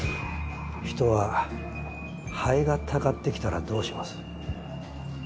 人はハエがたかって来たらどうします？